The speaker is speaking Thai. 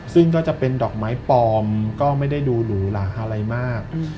ซึ่งก็จะเป็นดอกไม้ปลอมก็ไม่ได้ดูหรูหลาอะไรมาก